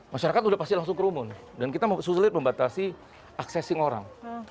masyarakat udah pasti langsung kerumun dan kita susulir membatasi aksesing orang